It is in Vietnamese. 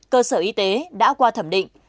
cơ sở y tế đã qua thẩm định